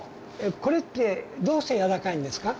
これってどうしてやわらかいんですか？